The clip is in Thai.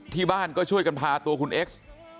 ที่บ้านก็ช่วยกันพาตัวคุณเอ็กซ์